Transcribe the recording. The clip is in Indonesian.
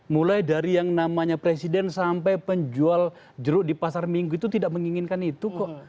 mulai dari yang namanya presiden sampai penjual jeruk di pasar minggu itu tidak menginginkan itu kok